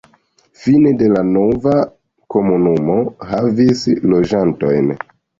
Fine de la nova komunumo havis loĝantojn.